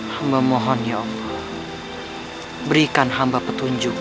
hamba mohon ya allah berikan hamba petunjuk